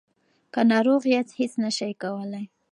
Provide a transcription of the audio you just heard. که ناروغ یاست هیڅ نشئ کولای.